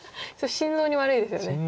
心臓に悪いです。